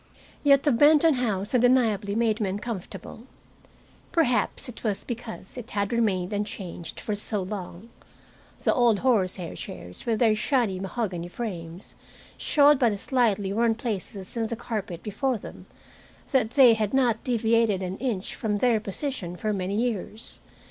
Yet the Benton house undeniably made me uncomfortable. Perhaps it was because it had remained unchanged for so long. The old horsehair chairs, with their shiny mahogany frames, showed by the slightly worn places in the carpet before them that they had not deviated an inch from their position for many years.